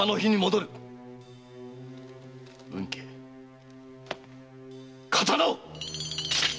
運慶刀を！